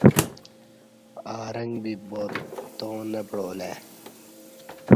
آرنگ بی بارپتاں نہ پعالہ ای